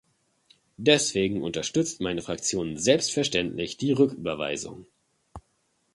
Deswegen unterstützt meine Fraktion selbstverständlich die Rücküberweisung.